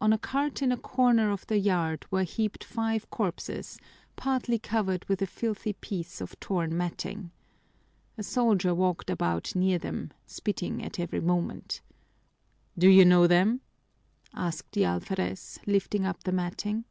On a cart in a corner of the yard were heaped five corpses, partly covered with a filthy piece of torn matting. A soldier walked about near them, spitting at every moment. "Do you know them?" asked the alferez, lifting up the matting.